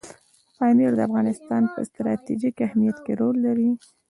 پامیر د افغانستان په ستراتیژیک اهمیت کې رول لري.